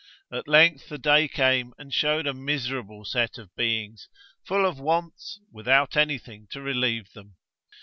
At length the day came, and showed a miserable set of beings, full of wants, without any thing to relieve them.